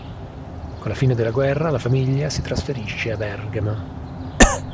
Con la fine della guerra la famiglia si trasferisce a Bergamo.